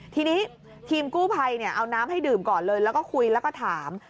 ทีนี้ทีมกู้ภัยเอาน้ำให้ดื่มก่อนเลยแล้วก็คุยแล้วก็ถาม